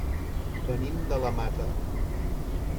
Venim de la Mata.